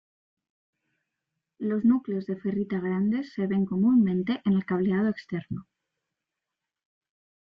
Los núcleos de ferrita grandes se ven comúnmente en el cableado externo.